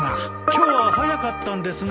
今日は早かったんですね。